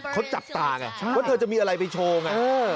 เขาจับตาไงว่าเธอจะมีอะไรไปโชว์ไง